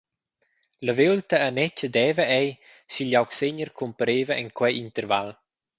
La viulta anetga deva ei, sch’igl augsegner cumpareva en quei interval.